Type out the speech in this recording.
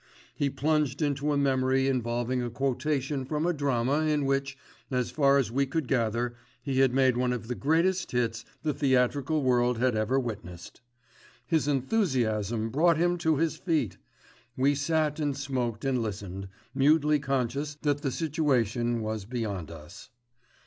He plunged into a memory involving a quotation from a drama in which, as far as we could gather, he had made one of the greatest hits the theatrical world had ever witnessed. His enthusiasm brought him to his feet. We sat and smoked and listened, mutely conscious that the situation was beyond us.